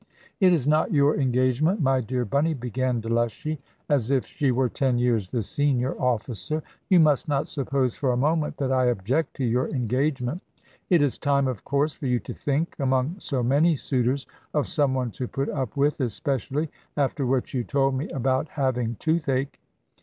"It is not your engagement, my dear Bunny," began Delushy, as if she were ten years the senior officer; "you must not suppose for a moment that I object to your engagement. It is time, of course, for you to think, among so many suitors, of some one to put up with, especially after what you told me about having toothache.